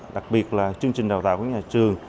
đặc biệt là chương trình đào tạo của nhà trường